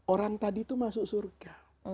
orang tadi itu masuk surga